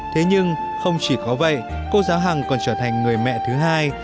thế nhưng không chỉ có vậy cô giáo hằng còn trở thành người mẹ thứ hai